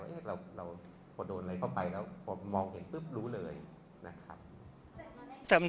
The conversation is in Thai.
เอ๊ะเราพอโดนอะไรเข้าไปแล้วพอมองเห็นปุ๊บรู้เลยนะครับ